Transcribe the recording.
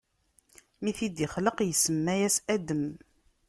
Mi t-id-ixleq, isemma-yas Adam.